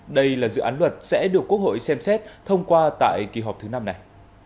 đây là dự án luật sẽ được quốc hội xem xét thông qua tại kỳ họp thứ năm này